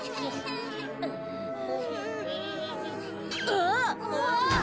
あっ！